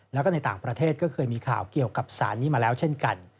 แล้วก็ในต่างประเทศก็เคยมีข่าวเกี่ยวกับสารนี้มาแล้วเช่นกัน